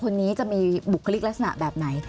สมมติลักษณะแบบนี้